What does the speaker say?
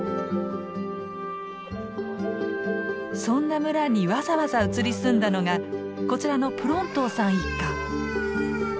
そんな村にわざわざ移り住んだのがこちらのプロントーさん一家。